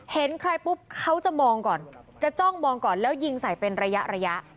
เห็นใครปุ๊บเขาจะมองก่อนจะจ้องมองก่อนแล้วยิงใส่เป็นระยะระยะ